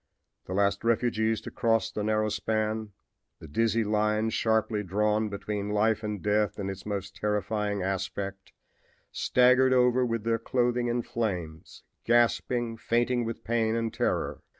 The last refugees to cross the narrow span, the dizzy line sharply drawn between life and death in its most terrifying aspect, staggered over with their clothing in flames, gasping, fainting with pain and terror.